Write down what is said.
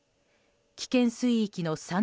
危険水域の３０％